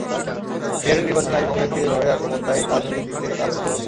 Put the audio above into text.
বিহারের নির্বাচনের আগে কংগ্রেসকে এইভাবে আক্রমণ তাই রাজনৈতিক দিক থেকে তাৎপর্যপূর্ণ।